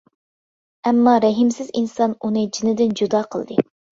ئەمما رەھىمسىز ئىنسان ئۇنى جىنىدىن جۇدا قىلدى.